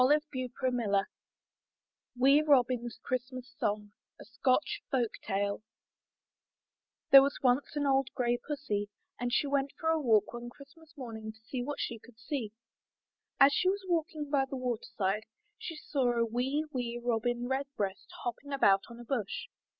162 IN THE NURSERY WEE ROBIN'S CHRISTMAS SONG A Scotch Folk Tale There was once an old gray Pussy, and she went for a walk one Christmas morning to see what she could see. As she was walking by the water side, she saw a wee, wee Robin Redbreast hopping about on a bush.